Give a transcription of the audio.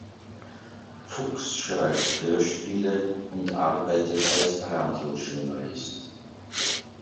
Fuchs schreibt Hörspiele und arbeitet als Radiojournalist.